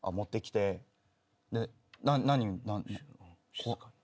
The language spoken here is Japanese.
静かに。